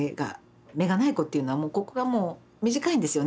目がない子っていうのはここがもう短いんですよね。